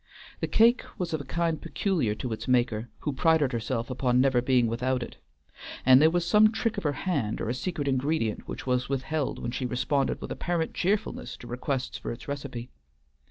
The cake was of a kind peculiar to its maker, who prided herself upon never being without it; and there was some trick of her hand or a secret ingredient which was withheld when she responded with apparent cheerfulness to requests for its recipe.